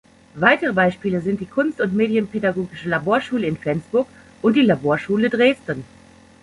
Weitere Beispiele sind die Kunst- und Medienpädagogische Laborschule in Flensburg und die Laborschule Dresden.